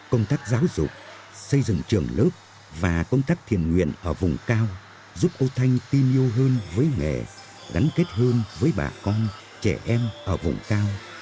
công tác giáo dục xây dựng trường lớp và công tác thiền nguyện ở vùng cao giúp cô thanh tin yêu hơn với nghề gắn kết hơn với bà con trẻ em ở vùng cao